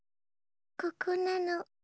ここなの。